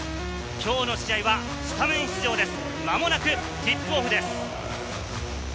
今日の試合はスタメン出場です。